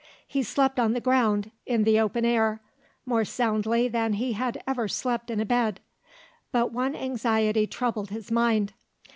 He slept on the ground, in the open air, more soundly than he had ever slept in a bed. But one anxiety troubled his mind.